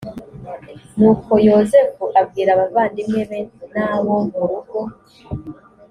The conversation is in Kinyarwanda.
nuko yozefu abwira abavandimwe be n abo mu rugo